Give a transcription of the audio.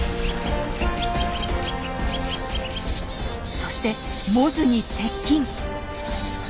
そしてモズに接近。